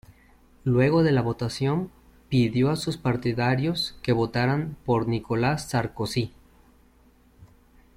Luego de la votación, pidió a sus partidarios que votaran por Nicolas Sarkozy.